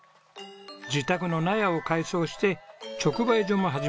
自宅の納屋を改装して直売所も始めました。